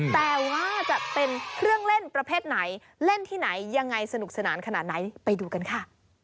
แต่ว่าจะเป็นเครื่องเล่นประเภทไหนเล่นที่ไหนยังไงสนุกสนานขนาดไหนไปดูกันค่ะ